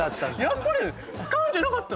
やっぱり使うんじゃなかった。